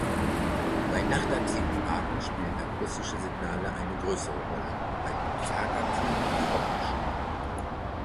Bei nachtaktiven Arten spielen akustische Signale eine größere Rolle, bei tagaktiven die optischen.